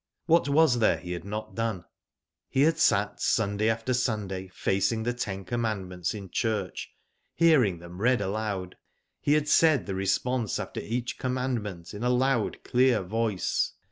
What was there he had not done? He had sat Sunday after Sunday facing the ten commandments in church, hearing them read aloud. He had said the response after each command ment in a loud, clear voice.